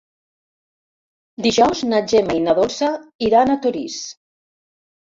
Dijous na Gemma i na Dolça iran a Torís.